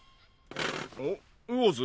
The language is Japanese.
おっ魚津？